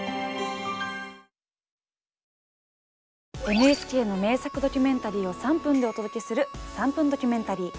ＮＨＫの名作ドキュメンタリーを３分でお届けする「３分ドキュメンタリー」。